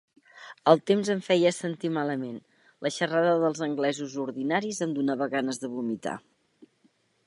El temps em feia sentir malament, la xerrada dels anglesos ordinaris em donava ganes de vomitar.